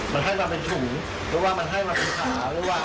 มันให้มาเป็นถุงหรือว่ามันให้มาเป็นขาหรือเปล่า